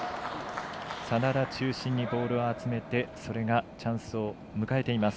眞田中心にボールを集めてそれがチャンスを迎えています。